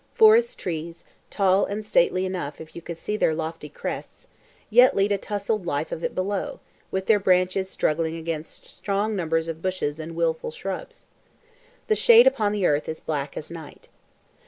Forest trees, tall and stately enough if you could see their lofty crests, yet lead a tussling life of it below, with their branches struggling against strong numbers of bushes and wilful shrubs. The shade upon the earth is black as night.